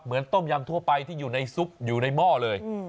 ต้มยำทั่วไปที่อยู่ในซุปอยู่ในหม้อเลย